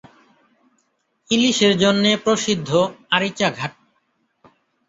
ইলিশ এর জন্যে প্রসিদ্ধ আরিচা ঘাট।